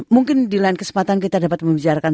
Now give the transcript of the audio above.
mungkin di lain kesempatan kita dapat membicarakan